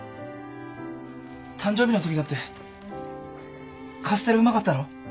誕生日のときだってカステラうまかったろ？